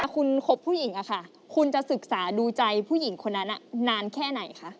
คุณคบผู้หญิงอะค่ะคุณจะศึกษาดูใจผู้หญิงคนนั้นนานแค่ไหนคะ